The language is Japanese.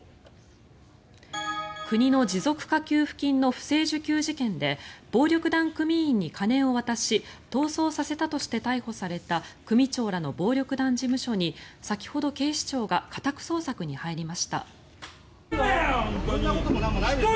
国の持続化給付金の不正受給事件で暴力団組員に金を渡し逃走させたとして逮捕された組長らの暴力団事務所に先ほど警視庁が家宅捜索に入りました。